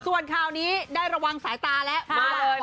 ส่วนคราวนี้ได้ระวังสายตาแล้วมาเลย